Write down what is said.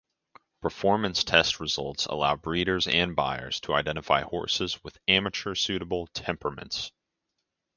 Performance test results allow breeders and buyers to identify horses with amateur-suitable temperaments.